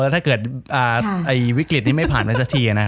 ถ้าเกิดวิกฤตนี้ไม่ผ่านไปสักที